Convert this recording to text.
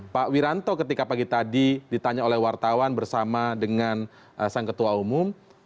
pak wiranto ketika pagi tadi ditanya oleh wartawan bersama dengan sang ketua umum